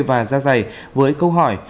và da dày với câu hỏi